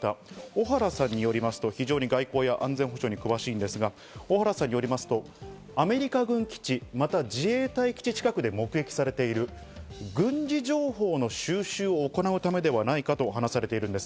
小原さんによりますと、非常に外交や安全保障に詳しいんですが、小原さんによりますと、アメリカ軍基地、または自衛隊基地近くで目撃されている軍事情報の収集を行うためではないかと話されているんです。